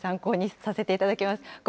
参考にさせていただきます。